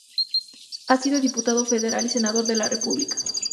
Ha sido Diputado Federal y Senador de la República.